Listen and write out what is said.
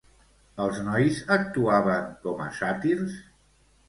Els nois actuaven com a sàtirs?